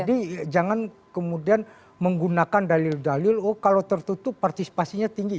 jadi jangan kemudian menggunakan dalil dalil oh kalau tertutup partisipasinya tinggi